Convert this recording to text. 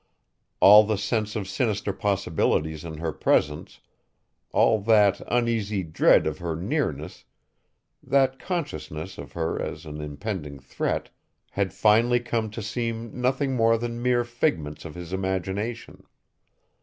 All the sense of sinister possibilities in her presence, all that uneasy dread of her nearness, that consciousness of her as an impending threat, had finally come to seem nothing more than mere figments of his imagination.